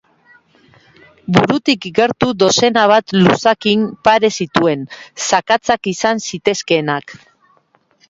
Burutik gertu dozena bat luzakin pare zituen, zakatzak izan zitezkeenak.